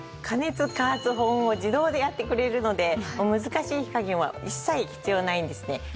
加熱加圧保温を自動でやってくれるので難しい火加減は一切必要ないんですね。